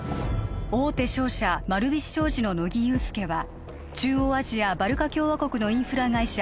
大手商社丸菱商事の乃木憂助は中央アジアバルカ共和国のインフラ会社